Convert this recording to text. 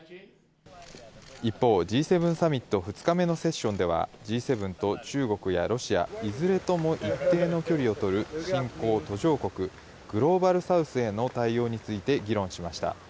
一方、Ｇ７サミット２日目のセッションでは、Ｇ７と中国やロシア、いずれとも一定の距離を取る新興・途上国、グローバルサウスへの対応について議論しました。